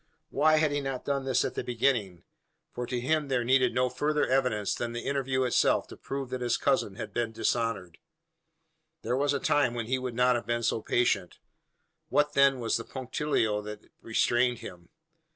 Why had he not done this at the beginning for to him there needed no further evidence, than the interview itself, to prove that his cousin had been dishonoured? There was a time when he would not have been so patient. What, then, was the punctilio that restrained him?